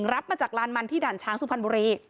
รับมาจากลานมันที่ด่านช้างสุพรรณบุรี